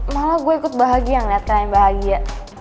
malah gue ikut bahagia melihat kalian bahagia